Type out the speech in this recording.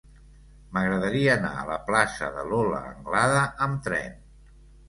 M'agradaria anar a la plaça de Lola Anglada amb tren.